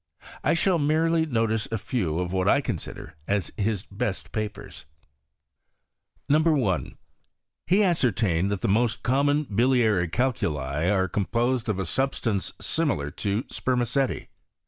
1 shall merely notice a few of what I consider as his beat papers. 1. He ascertained that the most common biliary calculi are composed of a substance similar to sper maceti.